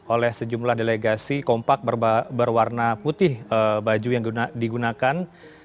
oleh sejumlah delegasi kompak berwarna putih baju yang digunakan